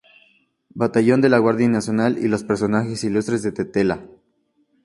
Batallón de la Guardia Nacional y los personajes ilustres de Tetela.